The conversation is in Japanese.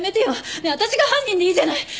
ねえ私が犯人でいいじゃない！